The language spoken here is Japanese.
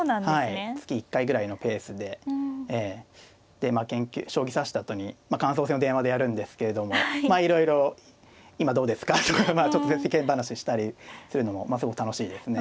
で将棋指したあとに感想戦を電話でやるんですけれどもまあいろいろ「今どうですか？」とかちょっと世間話したりするのもすごく楽しいですね。